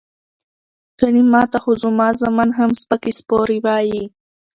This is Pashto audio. ګني ماته خو زما زامن هم سپکې سپورې وائي" ـ